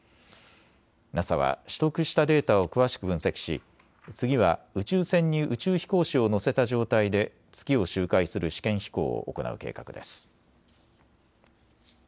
ＮＡＳＡは取得したデータを詳しく分析し次は宇宙船に宇宙飛行士を乗せた状態で月を周回する試験飛行を行う計画です。